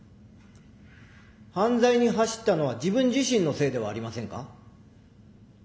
犯罪に走ったのは自分自身のせいではありませんか？